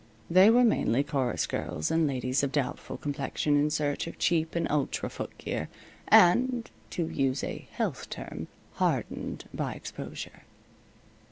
They were mainly chorus girls and ladies of doubtful complexion in search of cheap and ultra footgear, and to use a health term hardened by exposure.